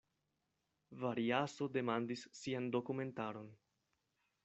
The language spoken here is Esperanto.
Variaso demandis sian dokumentaron.